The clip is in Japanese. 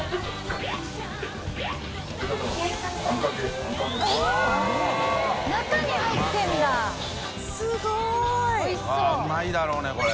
錣うまいだろうねこれ。